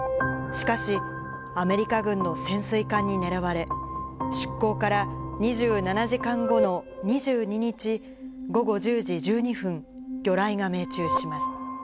しかし、アメリカ軍の潜水艦に狙われ、出航から２７時間後の２２日午後１０時１２分、魚雷が命中します。